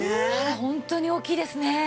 ホントに大きいですね。